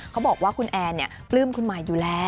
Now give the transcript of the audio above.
เขาบอกว่าคุณแอนปลื้มคุณหมายอยู่แล้ว